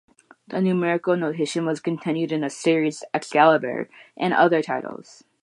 This numerical notation was continued in the series "Excalibur" and other titles.